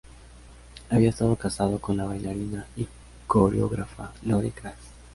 Había estado casado con la bailarina y coreógrafa Lore Grass.